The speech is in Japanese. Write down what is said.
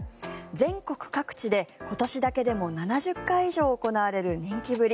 全国各地で今年だけでも７０回以上行われる人気ぶり。